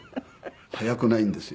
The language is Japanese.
速くないんですよ。